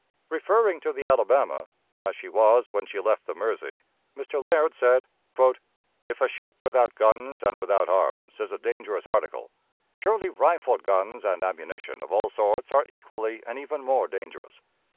Referring to the Alabama, as she was when she left the Mersey, Mr. Laird said: "If a ship without guns and without arms is a dangerous article, surely rifled guns and ammunition of all sorts are equally and even more dangerous.